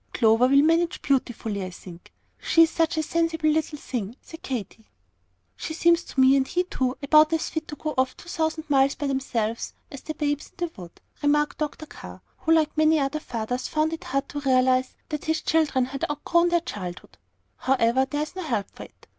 "Clover will manage beautifully, I think; she is such a sensible little thing," said Katy. "She seems to me, and he too, about as fit to go off two thousand miles by themselves as the Babes in the Wood," remarked Dr. Carr, who, like many other fathers, found it hard to realize that his children had outgrown their childhood. "However, there's no help for it.